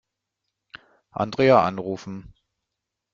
Andrea anrufen.